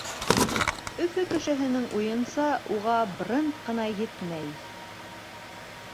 Өфө кешеһенең уйынса, уға бренд ҡына етмәй.